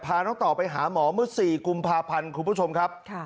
น้องต่อไปหาหมอเมื่อ๔กุมภาพันธ์คุณผู้ชมครับ